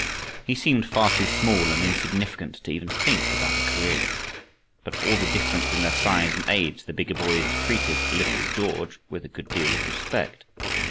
He seemed far too small and insignificant to even think about a career. But for all the difference in their size and age the bigger boys treated little George with a good deal of respect.